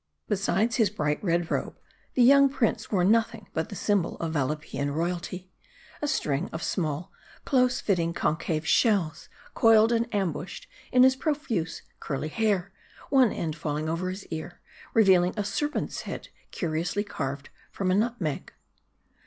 Besides his bright red robe, the young prince wore nothing but the symbol of Valapeean royalty ; a string of small, close fitting, concave shells, coiled and ambushed in his pro 238 M A R D I. fuse, curly hair ; one end falling over his ear, revealing a serpent's head, curiously carved from a nutmeg.